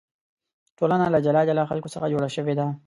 ټولنه له جلا جلا خلکو څخه جوړه شوې ده.